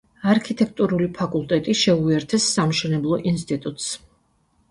არქიტექტურული ფაკულტეტი შეუერთეს სამშენებლო ინსტიტუტს.